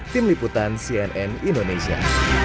tim liputan cnn indonesia